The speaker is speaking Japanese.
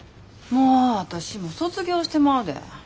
もう私も卒業してまうで。